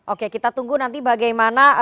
oke kita tunggu nanti bagaimana